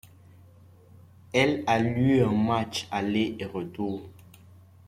Elle a lieu en matchs aller et retour.